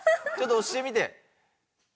ちょっと押してみて。